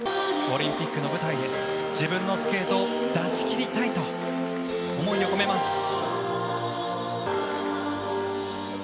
オリンピックの舞台で自分のスケートを出し切りたいと思いを込めます。